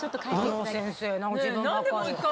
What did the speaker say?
何でもう１回。